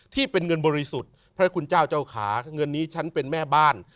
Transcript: ที่เป็นเงินบริสุทธิ์พระคุณเจ้าเจ้าขาเงินนี้ฉันเป็นแม่บ้าน